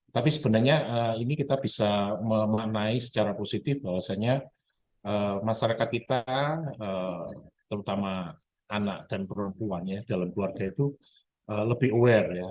tapi sebenarnya ini kita bisa memaknai secara positif bahwasannya masyarakat kita terutama anak dan perempuan ya dalam keluarga itu lebih aware ya